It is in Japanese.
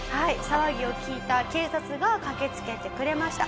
騒ぎを聞いた警察が駆け付けてくれました。